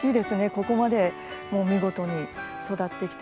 ここまで見事に育ってきてくれて。